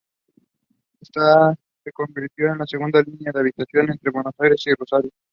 Esta se convirtió en la segunda línea habilitada entre Buenos Aires y Rosario.